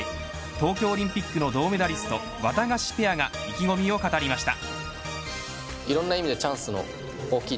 東京オリンピックの銅メダリストわたがしペアが意気込みを語りました。